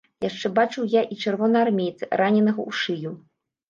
Яшчэ бачыў я і чырвонаармейца, раненага ў шыю.